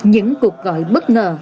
những cuộc gọi bất ngờ